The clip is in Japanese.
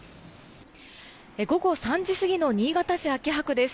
午後３時過ぎの新潟市です。